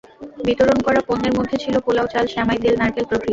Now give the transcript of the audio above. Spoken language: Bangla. বিতরণ করা পণ্যের মধ্যে ছিল পোলাও চাল, সেমাই, তেল, নারকেল প্রভৃতি।